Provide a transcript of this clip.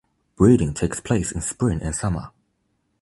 Breeding takes place in spring and summer.